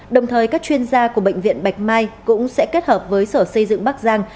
đồng thời các chuyên gia của bệnh viện bạch mai cũng sẽ kết hợp với sở xây dựng bắc giang